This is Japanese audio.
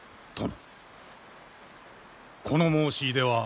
殿。